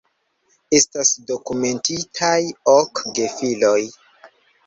Estas dokumentitaj ok gefiloj.